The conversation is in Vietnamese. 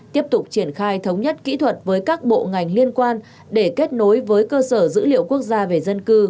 tiếp tục triển khai thống nhất kỹ thuật với các bộ ngành liên quan để kết nối với cơ sở dữ liệu quốc gia về dân cư